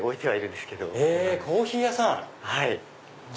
はい。